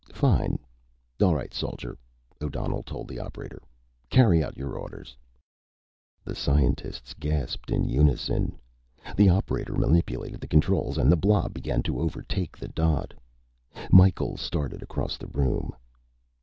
"Fine. All right, Soldier," O'Donnell told the operator. "Carry out your orders." The scientists gasped in unison. The operator manipulated the controls and the blob began to overtake the dot. Micheals started across the room.